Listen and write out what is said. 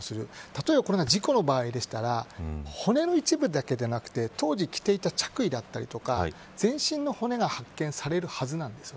例えばこれが事故の場合でしたら骨の一部だけでなく、当時着ていた着衣だったりとか全身の骨が発見されるはずなんです。